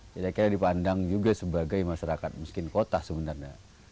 jadi saya dipandang juga sebagai masyarakat mungkin kota sebenarnya